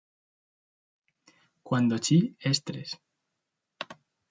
Cuando "三" es tres.